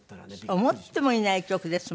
思ってもいない曲ですものね